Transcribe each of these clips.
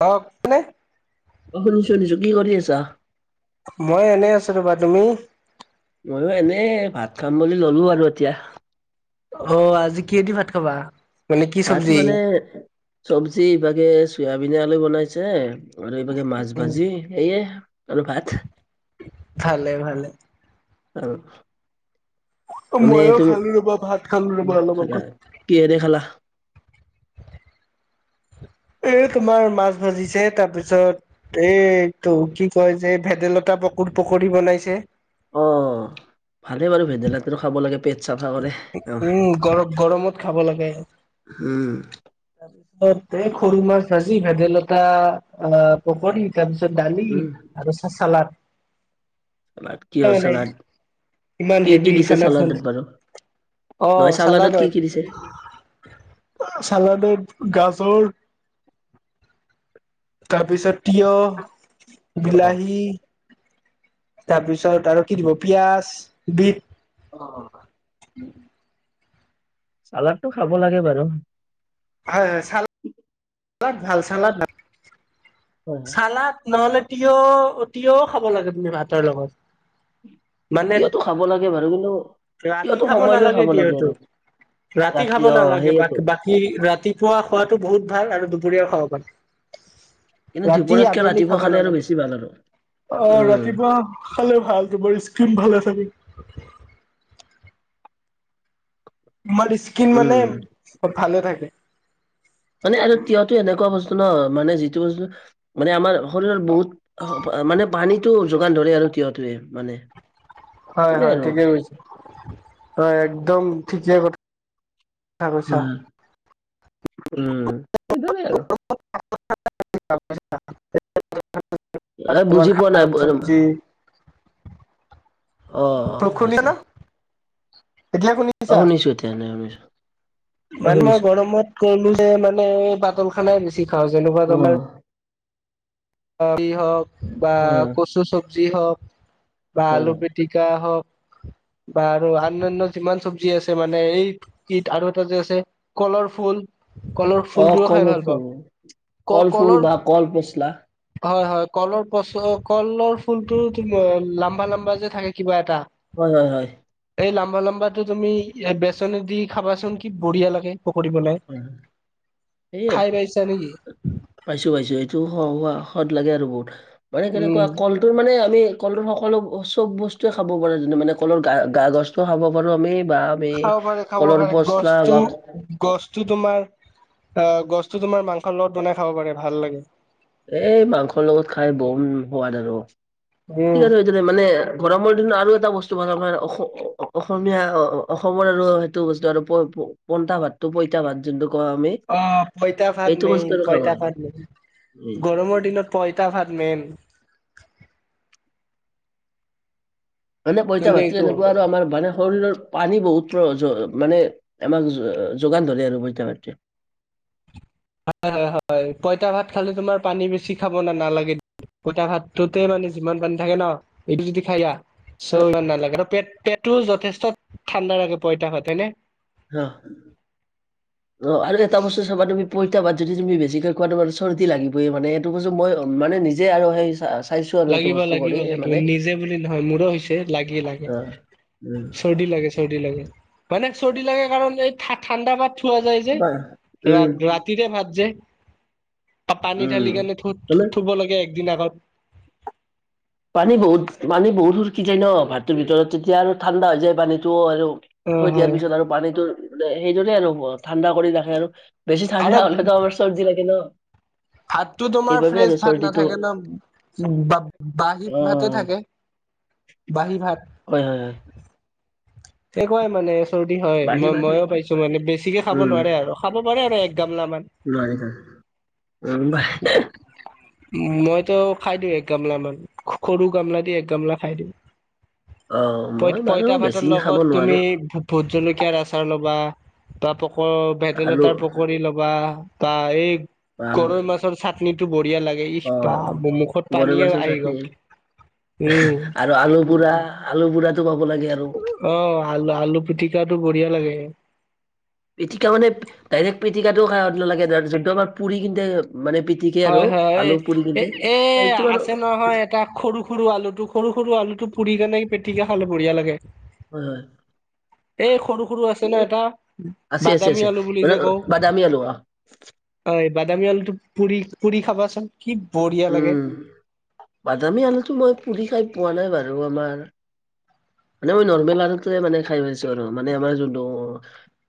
অ [unintelligible] অ! শুনিছোঁ-শুনিছোঁ। কি কৰি আছা? [inaudible] মই এনেই আছো ৰবা। তুমি? [unintelligible] ময়ো এনেই ভাত খাম বুলি ললো আৰু এতিয়া। [unintelligible] অ! আজি কিহে দি ভাত খাবা? মানে কি চব্জি? [inaudible] চব্জিভাগে চয়াবিন, আলু বনাইছে। [unintelligible] আৰু এই [unintelligible] মাছ ভাজি এইয়াই আৰু ভাত। ভালে-ভালে। [unintelligible] অঁ! [inaudible] ময়ো খালো ৰবা, ভাত খালো ৰবা অলপ আগত। [inaudible] কিহে দি খালা? [unintelligible] এই তোমাৰ মাছ ভাজিছে তাৰপিছত [unintelligible] এইটো কি কয় যে, ভেদাইলতা পকুৰ পকৰী বনাইছে। [unintelligible] অ! ভালেই বাৰু ভেদাইলতা খাব লাগে পেট [inaudible] অ, উম! গৰম গৰমত খাব লাগে। [inaudible] [inaudible] উম, তাৰপিছত এই সৰু মাছ ভাজি ভেদাইলতা অ পকৰী তাৰপিছত দালি উম। আৰু চা-চালাদ। [inaudible] চালাড কিহৰ খোৱাই নাই চালাড ইমান কি কি হেভি দিছে খানা খ [inaudible] চালাডত বাৰু অ! নহয় চালাডত কি হয়। কি দিছে? চালাডত গাজৰ [unintelligible] তাৰপিছত তিয়ঁহ, অ', বিলাহী [unintelligible] তাৰপিছত আৰু কি দিব পিয়াজ, বিট [inaudible] অঁ [inaudible] চালাডটো খাব লাগে বাৰু। [inaudible] হয়-হয়, চাল [unintelligible] [inaudible] ভাল চালাড হয়। হয় চালাদ নহলে তিয়ঁহ অ তিয়ঁহ খাব লাগে বোলে ভাতৰ লগত। [inaudible] মানে তিয়ঁহটো খাব লাগে বাৰু কিন্তু [unintelligible] ৰাতি তিয়ঁহটো খাব সময় লৈ নালাগে লাগে তিয়ঁহতো। আৰু ৰাতি খাব অ নালাগে। সেইয়েতো বাকী-বাকী ৰাতিপুৱা খোৱাতটো বহুত ভাল আৰু দুপৰীয়া খাব পাৰি। [inaudible] কিন্তু ৰাতি, দুপৰীয়াতকে আবেলি ৰাতিপুৱা খাব খালে আৰু লাগে। বেছি ভাল আৰু অ উম ৰাতিপুৱা [unintelligible] খালে ভাল তোমোৰ স্কিন ভালে থাকে। [inaudible] তোমাৰ স্কিন মানে উম ভালে থাকে। [unintelligible] মানে আৰু তিয়হঁতো এনেকুৱা বস্তু ন মানে যিটো বস্তু [unintelligible] মানে আমাৰ শৰীৰৰ বহুত মানে পানীটো যোগান ধৰে আৰু তিয়ঁহতোৱে মানে। [inaudible] সেইটোৱে হয়-হয়, আৰু ঠিকে কৈছা। হয় একদম ঠিকে কথা [inaudible] কৈছা হয়। উম [inaudible] আৰু। উম [inaudible] এই বুজি পোৱা নাই [inaudible] চব্জি অঁ-অঁ! শুনিছা হৈছে না [inaudible] এতিয়া শুনি অ শুনিছো এতিয়া মানে শুনিছো। অ মানে মই শুনিছো গৰমত কলো যে মানে পাতল খানাই বেছি খাওঁ যেনেকুৱা অ তোমাৰ অ ৰি হওক বা হয় হয় কচু চব্জি হওক বা হয় আলু পি টিকা হওক বা আৰু আন্যান্য যিমান চব্জি আছে মানে এই বিট আৰু এটা যে আছে কলৰ ফুল কলৰ অ ফুলটোও কল খাই ভাল পাওঁ। ফুল কল ক- ফুল কলৰ বা কল পচলা। হয় হয়, কলৰ পচ কলৰ ফুলটো তুমি লাম্বা লাম্বা যে থাকে কিবা এটা হয় হয় হয়। এই লাম্বা লাম্বাটো তুমি ইয়া বেচন দি খাবাচোন কি বঢ়িয়া লাগে। পকৰি বনাই, হয়, এইয়ে খাই পাইছা নেকি? পাইছো পাইছো এইটো সুৱা সুৱা সৱাদ লাগে আৰু বহুত মানে উম কেনেকুৱা কল টো মানে আমি কলৰ সকলো চব বস্তুৱে খাব পাৰো যোনটো মানে কলৰ গা গা গছটো খাব পাৰো আমি বা আমি খাব কলৰ পচলা বা গছতো তোমাৰ আ গছটো তোমাৰ মাংসৰ লগত বনাই খাব পাৰে ভাল লাগে। এই মাংসৰ লগত খাই বৰ সোৱাদ আৰু উম ঠিক আছে টোতে মানে গৰমৰ দিনত আৰু এটা বস্তু বনাব পাৰি আৰু অস অসমীয়া হ হ অসমৰ আৰু সেইটো বস্তু আৰু প প পনটা ভাতটো পইতা ভাত যোনটো কওঁ আমি অ পঁইতা ভাত সেইটো মেইন, বস্তু আৰু খাব পঁইতা পাৰো। ভাত মেইন উম। গৰম মৰ দিনত পইতা ভাত মেইন। মানে পইচা ভাতটো এনেকুৱা আৰু আমাৰ মানে শৰীৰৰ পানী বহুত য মানে আমাক য যোগান ধৰে আৰু পইতা ভাতে। হয় হয়, পঁইতা ভাত খালে তোমাৰ পানী বেছি খাব নালাগে। পইটা ভাতটোতে মানে যিমান পানী থাকে ন এইটো যদি খাইয়া চৌ আৰু নালাগে ত পেট পেটটো যথেষ্ট ঠাণ্ডা লাগে পইতা ভাত হয়নে? ৰহ। অ আৰু এটা বস্তু চবা তুমি পইতা ভাত যদি তুমি বেছিকৈ খোৱা তোমাৰ চৰ্দি লাগিবই মানে টো কৈছো মই মানে নিজে আৰু সেই চা চা লাগিব লাগিব লাগিব নিজে বুলি নহয় মোৰো হৈছে লাগি লাগে অ উম চৰ্দি লাগে চৰ্দি লাগে মানে চৰ্দি লাগে কাৰণ এই ঠা ঠাণ্ডা ভাত থোৱা যায় যে, বা ৰা উম - ৰাতিৰে ভাত যে তা পানী উম ঢালি কাৰণে থ মানে থু থুব লাগে একদিন আগত। পানী বহুত, পানী বহুত সুৰকি যায় ন ভাতটোৰ ভিতৰত তেতিয়া আৰু ঠাণ্ডা হৈ যায় পানীটো আৰু অ থৈ দিয়াৰ হয় পিছত আৰু পানীটো সেইটোৰে আৰু ঠাণ্ডা কৰি ৰাখে আৰু বেছি আৰু ঠাণ্ডা হলেটো আমাৰ চৰ্দি লাগে ন? ভাতটো তোমাৰ সেইবাবে ফ্ৰেছ আৰু ভাত চৰ্দিটো নাথাকে ন, উম বা বাহী অ ভাতে থাকে। বাঁহি ভাত। হয় হয় হয়। একোৱাই মানে চৰ্দি হয়, বাঢ়ি ম বাঢ়ি ময়ো পাইছো মানে বেছিকে খাব নোৱাৰে আৰু। খাব পাৰে আৰু এক গামলামান। নোৱাৰিবা, অ বাই মইতো খাই দিওঁ এক গামলামান, স সৰু গামলা দি এক গামলা খাই দিওঁ। অ, মই বাৰু বেছি নেখাব নোৱাৰো। ভো ভোট জলকিয়াৰ আচাৰ ল'বা বা পকৰ আলু ভেদাইলতাৰ পকৰি ল'বা বা এই বা গৰৈ মাছৰ চাটনিটো বঢ়িয়া লা গে ইহ অ বা, মুখত গৰৈ পানীয়ে মাছৰ আহি চাটনি গ'ল। উম। আৰু আলু পুৰা, আলু পুৰাটো পাব লাগে আৰু। অঁ, আলু, আলু পিটিকাটো বঢ়িয়া লাগে। পিটিকা মানে, ডাইৰেক্ট পিটিকাটো খায় সোৱাদ নালাগে, যোনটো আমাৰ পুৰি কিনে মানে পি হয় হয়, এই সেইটো আৰু আছে নহয় এ টা সৰু, সৰু আলুটো সৰু, সৰু আলুটো পুৰি কেনে পিটিকা খালে বঢ়িয়া লাগে। হয় হয়। এই সৰু সৰু আছে ন এটা আছে আছে বাদামী আছে আলু বুলি মানে যে কও। বাদামী আলু অ হয় বাদামী আলটো পুৰি পুৰি খাবাচোন। কি বঢ়িয়া লাগে উম বাদামী আলুটো মই পুৰি খাই পোৱা নাই বাৰু আমাৰ মানে মই নৰ্মেল আতে মানে খাই পাইছো আৰু মানে আমাৰ যোনটো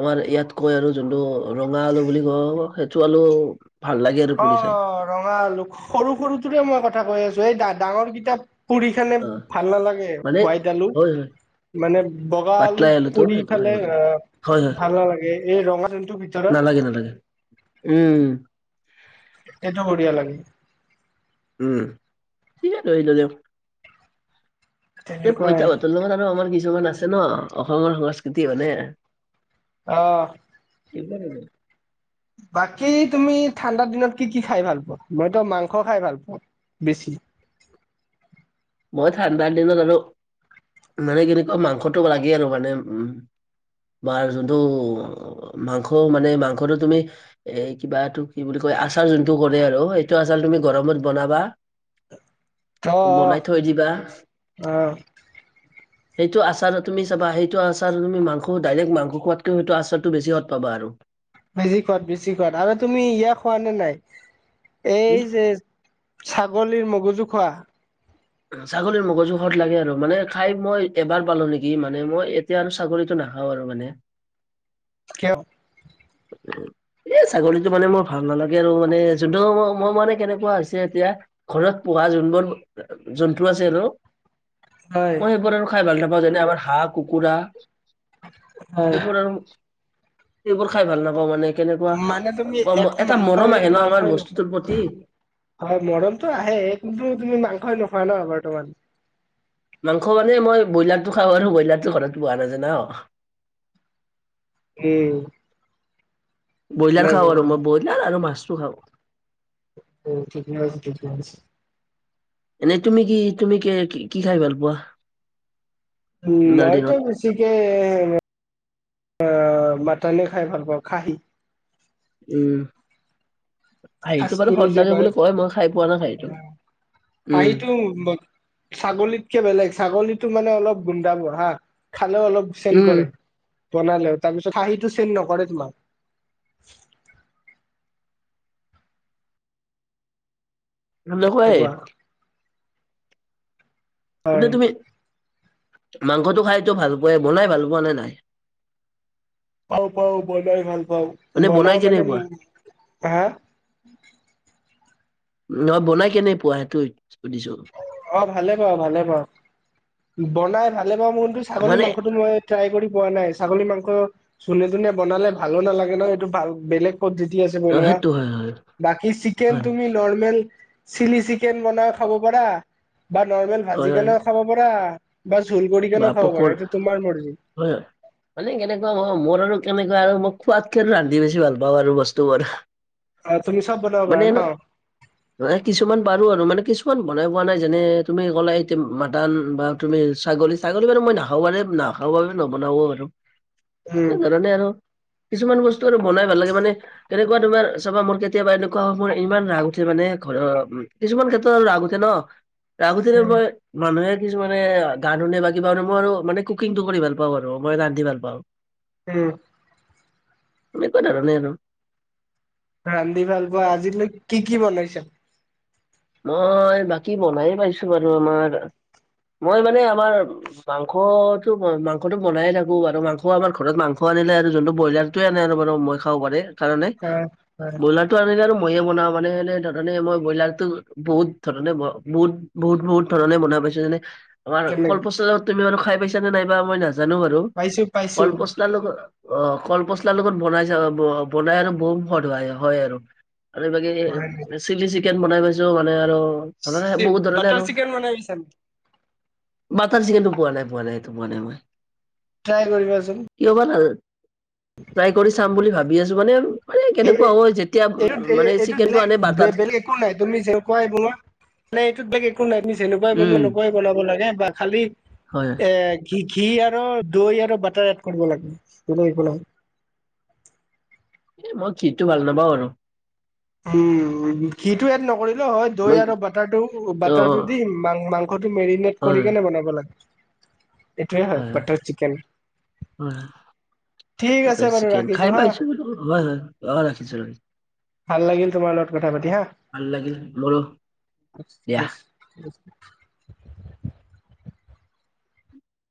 আমাৰ ইয়াত কৈ আৰু যোনটো ৰঙা আলু বুলি কয় সেইটো আলু ভাল লাগে আৰু পুৰি খাই অঁ ৰঙা আলু, সৰু সৰুটোৰে মই কথা কৈ আছো এই ডাঙৰ কেইতাৰ পুৰি খালে অ ভাল নালাগে, মানে হোৱাইট আলু। হয় হয় মানে বগা আলু পাতলাই আলুটো পুৰি সেইটো খাই খালে ভাল লাগে আ হয় হয় ভাল নালাগে। এই ৰঙা আলুটোৰ ভিতৰৰ নালাগে নালাগে উম। এইটো বঢ়িয়া লাগে। উম। কি জানো এইডালে এই তেনেকুৱাই পইতা ভাতৰ লগত আৰু আমাৰ কিছুমান আছে ন, অসমৰ সংস্কৃতি মানে। অঁ। [unintelligible] বাকী তুমি ঠাণ্ডা দিনত কি কি খাই ভাল পোৱা? মইতো মাংস খাই ভাল পাওঁ বেছি। মই ঠাণ্ডাৰ দিনত আৰু মানে কেনেকুৱা মাংসটো লাগি আৰু মানে উম। বাৰ যোনটো মাংস মানে মাংসটো তুমি এ কিবাটো কি বুলি কয় আচাৰ যোনটো কৰে আৰু সেইটো আচাৰ তুমি গৰমত বনাবা বনাই ত' থৈ দিবা। অ সেইটো আচাৰো তুমি চাবা, সেইটো আচাৰ তুমি মাংস ডাইৰেক্ট মাংস খোৱাতকেও সেইটো আচাৰটো বেছি সোৱাদ পাবা আৰু। বেছি সোৱাদ, বেছি সোৱাদ। আৰু তুমি ইয়া খোৱা নে নাই কি এই যে ছাগলীৰ মগজু খোৱা? ছাগলীৰ মগজু সোৱাদ লাগে আৰু, মানে খাই মই এবাৰ পালো নেকি মানে মই এতিয়া আৰু ছাগলীটো নাখাওঁ আৰু মানে। কিয়? [inaudible] এ, ছাগলীটো মানে মোৰ ভাল নালাগে আৰু মানে যোনটো, মোৰ মানে কেনেকুৱা হৈছে এতিয়া ঘৰত পোহা যোনবোৰ জন্তু আছে আৰু হয় মই সেইবোৰ আৰু খাই ভাল নাপাওঁ। যেনে আমাৰ হাঁহ, কুকুৰা। হয় এইবোৰ আৰু এইবোৰ খাই ভাল নাপাওঁ মানে, কেনেকুৱা মানে তুমি একো এটা মাংসই মৰম আহে ন আমাৰ মাংসই নোখোৱা? বস্তুটোৰ প্ৰতি। হয়, মৰমটো আহে। কিন্তু তুমি মাংসই নোখোৱা ন বৰ্তমান? মাংস মানে মই ব্ৰইলাৰটো খাওঁ আৰু, ব্ৰইলাৰটো ঘৰতটো পোহা নাযায় ন। এই ব্ৰইলাৰ খাও আৰু মই, ব্ৰইলাৰ আৰু মাছটো খাও। অ ঠিক আছে ঠিকে আছে। এনেই তুমি কি, তুমি কি, কি খাই ভাল পোৱা? উম ঠাণ্ডাৰ মইতো দিনত বি গতিকে আ মাটনে খাই ভাল পাও খাহী উম খাহিটো বাৰু সোৱাদ লাগে বুলি কয় মই খাই পোৱা নাই খাহিটো উম উ মা ছাগলীতকে বেলেগ ছাগলীতো মানে অলপ গোন্ধাব হা খালেও অলপ চেণ্ড উম কৰে বনালেও তাৰপিছত খাহিটো চেণ্ড নকৰে তোমাক তেনেকোৱাই তেনেকুৱা হয়। এতিয়া তুমি মাংসটো খাইতো ভাল পোৱা বনাই ভাল পোৱা নে নাই পাও পাও বনাই ভাল পাও মানে বনাই বনাও মানে কেনেকুৱা? হা নহয়, বনাই কেনে পোৱা সেইটো সুধিছো অ', ভালে পাও ভালে পাও বনাই ভালে পাও মোৰ কিন্তু ছাগলী মানে মাংসটো মই ট্ৰাই কৰি পোৱা নাই ছাগলী মাংস যোনে টোনে বনালে ভালো নালাগে ন এইটো ভাল বেলেগ পদ্ধতি আছে অ বনোৱা সেইটো হয় হয় বাকী চিকেন হয় তুমি নৰ্মেল, চিলি চিকেন বনা খাব পাৰা বা নৰ্মেল হয় হয় ভাজিকেনেও খাব পাৰা। বা জোল কৰি় বা কেনেও খাব পকৰ পাৰা, এইটো তোমাৰ মৰ্জি। হয় নাই মানে কেনেকোৱা মোৰ আৰু কেনেকোৱা আৰু মই খোৱাতকে আৰু ৰান্ধি বেছি ভাল পাও আৰু বস্তুবোৰ অ তুমি চব বনাব পাৰা ন মানে কিছুমান পাৰো আৰু মানে কিছুমান বনাই পোৱা নাই যেনে তুমি ক'লা এতিয়া মাটান বা তুমি ছাগলী ছাগলী বাৰু মই নাখাব নাখাও বাবে নবনাব বাৰু উম সেকাৰণে আৰু কিছুমান বস্তু আৰু বনাই ভাল লাগে মানে কেনকোৱা তোমাৰ চাবা মোৰ কেতিয়াবা এনেকোৱা মোৰ ইমান ৰাগ উঠে মানে উ কিছুমান ক্ষেত্ৰত আৰু ৰাগ উঠে ন ৰাগ উঠোতে মই মানুহে কিছুমানে গান শুনে বা কিবা মই মানে কুকিঙটো কৰি ভাল পাও আৰু মই ৰান্ধি ভাল পাও উম মানে একো ধৰা নাই আৰু ৰান্ধি ভাল পোৱা আজিলৈ কি কি বনাইছা মই বাকী বনাই পাইছো বাৰু আমাৰ মই মানে আমাৰ মাংসতো মাংসতো বনাইয়ে থাকো আৰু মাংস আমাৰ ঘৰত মাংস আনিলে আৰু যোনটো ব্ৰইলাৰ টোৱে আনে আৰু মানে মই খাব পাৰে কাৰণে হয় হয় ব্ৰইলাৰটো আনিলে আৰু মইয়ে বনাও মানে এনে মই ধৰণে ব্ৰইলাৰটো বহুত ধৰণে ব বহুত বহুত বহুত ধৰণে বনাই পাইছো যেনে আমাৰ কেলে কলপচলাত তুমি বাৰু খাই পাইছা নে নাই বা মই নাজানো বাৰু পাইছো পাইছো কলপচলাৰ লগত অ কল পচলাৰ লগত বনাই যা বনাই আৰু বহুত ভাল লাগে হয় আৰু আৰু এই হয় বাকি চিলি চিকেন বনাই পাইছো মানে আৰু ধৰণে বহুত ধৰণে বাটাৰ আৰু চিকেন বনাই পাইছা নেকি বাটাৰ চিকনটো পোৱা নাই পোৱা নাই সেইটো মই পোৱা নাই ট্ৰাই কৰিবা চোন কিয়বা ট্ৰাই কৰি চাম বুলি ভাবি আছো মানে আৰু মানে এই কেনেকুৱা হয় যেতিয়া মানে চিকেনটো আনে বাটাত। আকো নাই তুমি যেনেকুৱাই বনোৱা মানে এইটোত বেলেগ একো নাই তুমি যেনেকুৱাই বনোৱা উম সেনেকুৱাই বলাব লাগে বা খালি হয় এ ঘি ঘি আৰু দৈ আৰু বাটাৰ এড কৰিব লাগে। [unintelligible] একো নাই। এ মই ঘিটো ভাল নাপাওঁ আৰু। ঘিটো এড নকৰিলে হয় দৈ মই আৰু বাটাৰটো অ অ বাটাৰটো দিম মাং মাংসটো মেৰিনেট কৰি হয় কেনে বনাব লাগে। [unintelligible] এইটোৱে হয়, বাটাৰ চিকেন। হয় ঠিক আছে মাটাৰ বাৰু চিকেন ৰাখিছো খাই হা পাইছো হয় হয়, অঁ' ৰাখিছো। ভাল লাগিল তোমাৰ লগত কথা পাতি হা। ভাল লাগিল মোৰো একো দিয়া স্বৰ নাই।